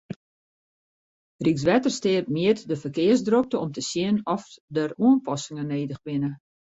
Rykswettersteat mjit de ferkearsdrokte om te sjen oft der oanpassingen nedich binne.